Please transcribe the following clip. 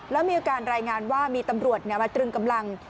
แล้วมีการรายงานว่ามีตำรวจมาตรึงกำลัง